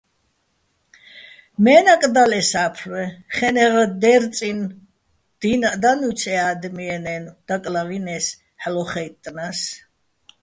მე́ნაკ დალ ე სა́ფლვე, ხე́ნეღ დერწინო̆ დინაჸ დანუჲცი̆ ე ა́დმიეჼ-ნაჲნო̆ დაკლავინე́ს, ჰ̦ალო́ ხაჲტტნა́ს.